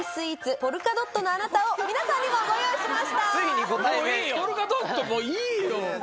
ポルカドットもういいよ。